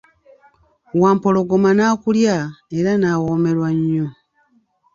Wampologoma nakulya era nawomerwa nnyo.